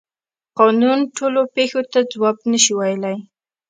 قانون ټولو پیښو ته ځواب نشي ویلی.